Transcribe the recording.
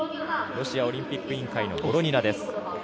ロシアオリンピック委員会のボロニナです。